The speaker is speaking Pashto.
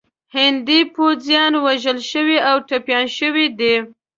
هندي پوځیان وژل شوي او ټپیان شوي دي.